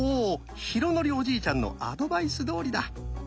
浩徳おじいちゃんのアドバイスどおりだ！